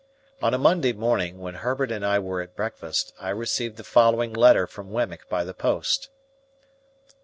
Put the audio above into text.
On a Monday morning, when Herbert and I were at breakfast, I received the following letter from Wemmick by the post.